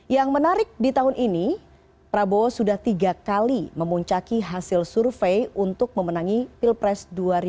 yang menarik di tahun ini prabowo sudah tiga kali memuncaki hasil survei untuk memenangi pilpres dua ribu sembilan belas